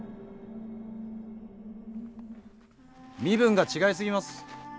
身分が違い過ぎます。